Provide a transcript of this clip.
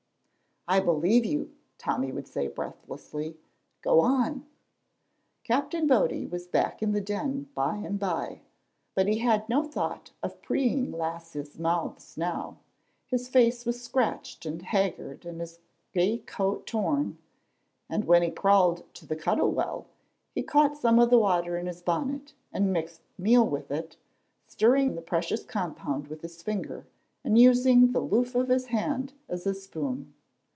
"I believe you," Tommy would say breathlessly: "go on." Captain Body was back in the Den by and by, but he had no thought of preeing lasses' mouths now. His face was scratched and haggard and his gay coat torn, and when he crawled to the Cuttle Well he caught some of the water in his bonnet and mixed meal with it, stirring the precious compound with his finger and using the loof of his hand as a spoon.